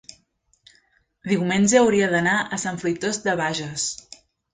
diumenge hauria d'anar a Sant Fruitós de Bages.